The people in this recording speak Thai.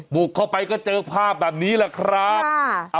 บุกเข้าไปก็เจอภาพแบบนี้แหละครับ